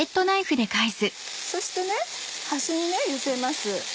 そして端に寄せます